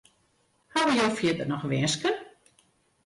Hawwe jo fierder noch winsken?